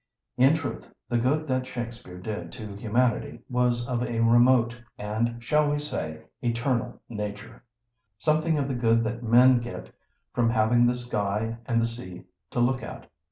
In truth, the good that Shakespeare did to humanity was of a remote, and, shall we say, eternal nature; something of the good that men get from having the sky and the sea to look at.